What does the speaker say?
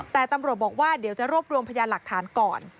แต่ตำรวจบอกว่าเดี๋ยวจะรวบรวมพยานหลักฐานก่อน